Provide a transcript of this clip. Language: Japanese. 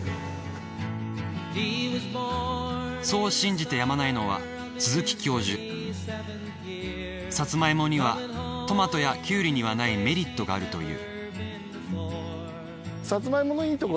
そう信じてやまないのはサツマイモにはトマトやキュウリにはないメリットがあるという。